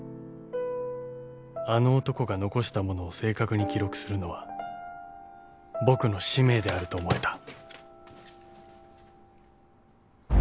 ［あの男が残したものを正確に記録するのは僕の使命であると思えた］